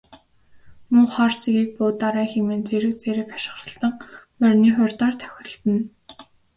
Муу хар сэгийг буудаарай хэмээн зэрэг зэрэг хашхиралдан морины хурдаар давхилдана.